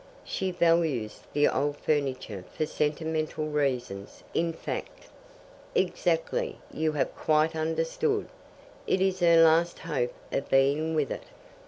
'" "She values the old furniture for sentimental reasons, in fact." "Exactly. You have quite understood. It is her last hope of being with it."